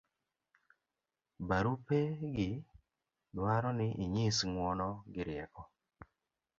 barupe gi dwaro ni inyis ng'uono gi rieko